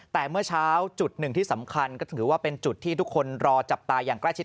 แต่เมื่อเช้าจุดหนึ่งที่สำคัญก็ถือว่าเป็นจุดที่ทุกคนรอจับตาอย่างใกล้ชิด